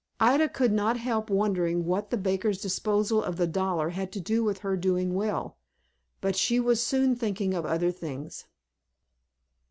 Ida could not help wondering what the baker's disposal of the dollar had to do with her doing well, but she was soon thinking of other things.